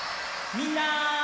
みんな！